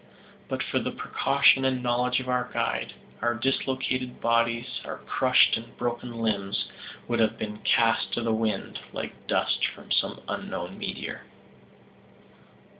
But for the precaution and knowledge of our guide, our dislocated bodies, our crushed and broken limbs, would have been cast to the wind, like dust from some unknown meteor.